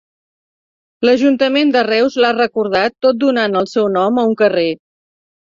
L'Ajuntament de Reus l'ha recordat tot donant el seu nom a un carrer.